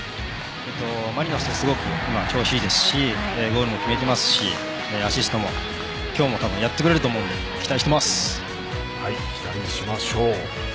マリノスですごく調子がいいですしゴールも決めていますしアシストも今日も多分やってくれると思うので期待しましょう。